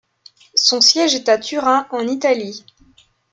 Son siège est à Turin, en Italie.